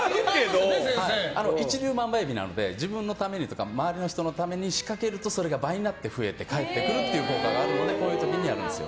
一粒万倍日なので自分のためにとか周りの人のために仕掛けると、それが倍になって返ってくるという効果があるのでこういう時にやるんです。